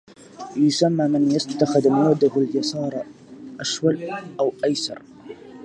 يسمى من يستخدم يده اليسرى أشول أو أعسر.